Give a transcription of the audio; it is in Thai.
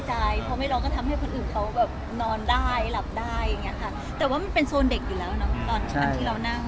ได้อย่างเงี้ยค่ะแต่ว่ามันเป็นโซนเด็กอยู่แล้วเนาะตอนที่เรานั่ง